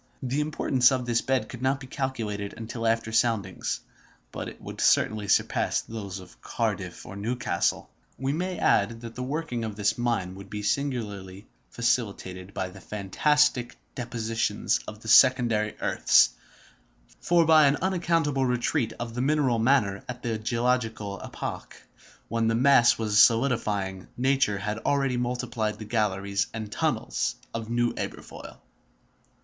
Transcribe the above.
The importance of this bed could not be calculated until after soundings, but it would certainly surpass those of Cardiff and Newcastle. We may add that the working of this mine would be singularly facilitated by the fantastic dispositions of the secondary earths; for by an unaccountable retreat of the mineral matter at the geological epoch, when the mass was solidifying, nature had already multiplied the galleries and tunnels of New Aberfoyle.